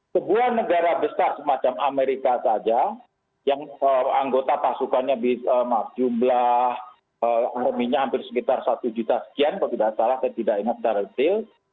sebuah negara besar semacam amerika saja yang anggota pasukannya jumlah ekonominya hampir sekitar satu juta sekian kalau tidak salah saya tidak ingat secara detail